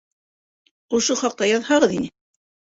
Ошо хаҡта яҙһағыҙ ине.